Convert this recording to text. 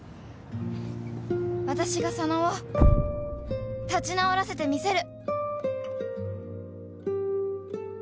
私が佐野を立ち直らせてみせる